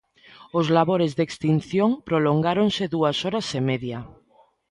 Os labores de extinción prolongáronse dúas horas e media.